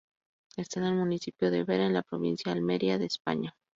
Está en el municipio de Vera, en la provincia de Almería, España.